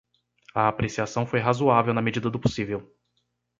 A apreciação foi razoável na medida do possível